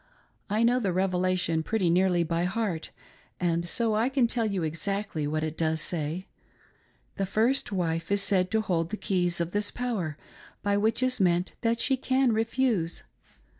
I know the Revelation pretty nearly by heart and so I can tell you exactly what it does say. The first wife is said to hold the keys of this power, by which is meant ■that she can refuse.